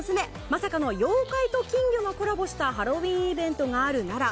まさかの妖怪と金魚がコラボしたハロウィーンイベントがある奈良。